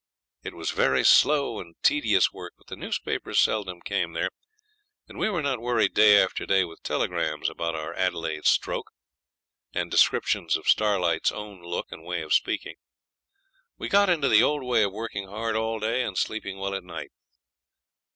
It was very slow and tedious work, but the newspapers seldom came there, and we were not worried day after day with telegrams about our Adelaide stroke, and descriptions of Starlight's own look and way of speaking. We got into the old way of working hard all day and sleeping well at night.